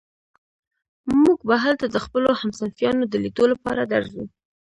موږ به هلته د خپلو همصنفيانو د ليدو لپاره درځو.